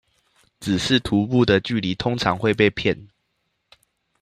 只是徒步的距離通常會被騙